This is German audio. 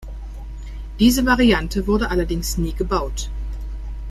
Diese Variante wurde allerdings nie gebaut.